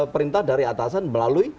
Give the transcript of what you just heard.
perintah dari atasan melalui